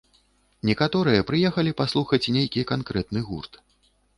Некаторыя прыехалі паслухаць нейкі канкрэтны гурт.